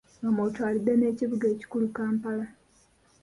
Nga mw’otwalidde n'ekibuga ekikulu Kampala.